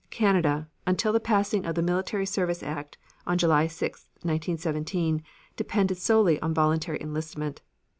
Canada, until the passing of the Military Service Act on July 6,1917, depended solely on voluntary enlistment.